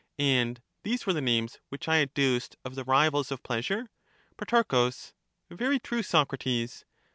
And these were the names which I adduced of the rivals of pleasure? Pro. Very true, Socrates.